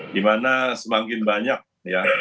dimana semakin banyak ya